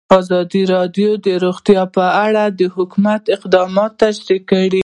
ازادي راډیو د روغتیا په اړه د حکومت اقدامات تشریح کړي.